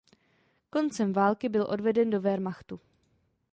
Koncem války byl odveden do wehrmachtu.